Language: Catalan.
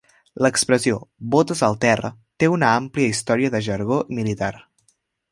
L'expressió "botes al terra" té una àmplia història de jargó militar.